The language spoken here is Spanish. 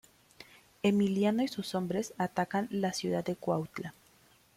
Emiliano y sus hombres atacan la ciudad de Cuautla.